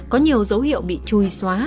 có nhiều dấu hiệu bị chui xóa